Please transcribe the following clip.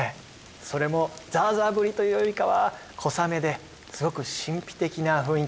それもザーザー降りというよりかは小雨ですごく神秘的な雰囲気がします。